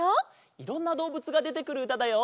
いろんなどうぶつがでてくるうただよ。